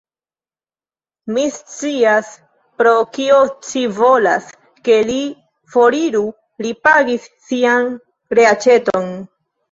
Mi scias, pro kio ci volas, ke li foriru: li pagis sian reaĉeton.